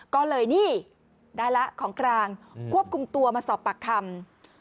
ก็เลยนี่ได้แล้วของกลางควบคุมตัวมาสอบปากคำ